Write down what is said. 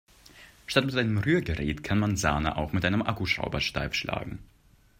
Statt mit einem Rührgerät kann man Sahne auch mit einem Akkuschrauber steif schlagen.